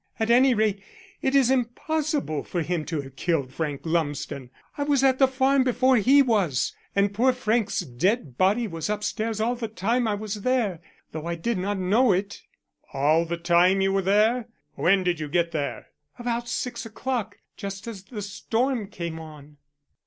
At any rate, it is impossible for him to have killed Frank Lumsden. I was at the farm before he was, and poor Frank's dead body was upstairs all the time I was there, though I did not know it." "All the time you were there? When did you get there?" "About six o'clock just as the storm came on."